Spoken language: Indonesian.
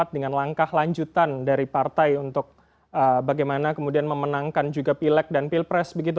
dengan langkah lanjutan dari partai untuk bagaimana kemudian memenangkan juga pilek dan pilpres begitu